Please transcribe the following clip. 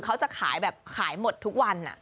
เขาจะขายแบบขายหมดทุกวัน